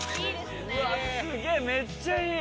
すげえめっちゃいい。